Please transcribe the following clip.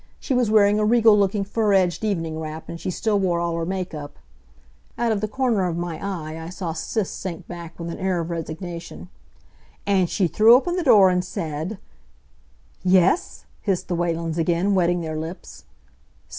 She was wearing a regal looking fur edged evening wrap, and she still wore all her make up" out of the corner of my eye I saw Sis sink back with an air of resignation "and she threw open the door and said "Yes s s s!" hissed the Whalens again, wetting their lips.